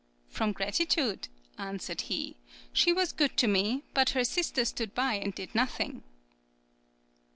"From gratitude," answered he; "she was good to me, but her sister stood by and did nothing."